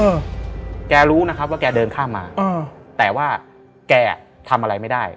เออแกรู้นะครับว่าแกเดินข้ามมาอ่าแต่ว่าแกอ่ะทำอะไรไม่ได้